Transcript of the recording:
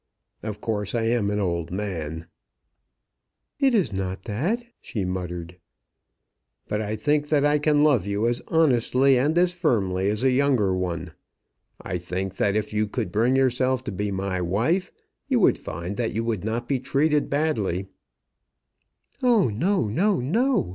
"Of course I am an old man." "It is not that," she muttered. "But I think that I can love you as honestly and as firmly as a younger one. I think that if you could bring yourself to be my wife, you would find that you would not be treated badly." "Oh, no, no, no!"